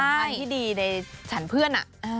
ความสัมพันธ์ที่ดีในฉันเพื่อนน่ะ